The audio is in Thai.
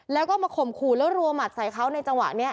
แล้วก็มาข่มขู่แล้วรัวหมัดใส่เขาในจังหวะนี้